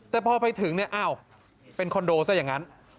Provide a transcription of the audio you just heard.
แต่พอไปถึงเป็นคอนโดซะอย่างนั้น